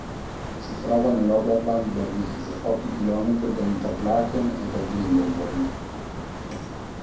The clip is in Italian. Si trova nell’Oberland Bernese a pochi chilometri da Interlaken e da Grindelwald.